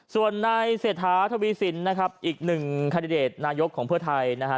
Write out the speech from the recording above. ส่วนนายเศรษฐาทวีสินนะครับอีกหนึ่งคันดิเดตนายกของเพื่อไทยนะฮะ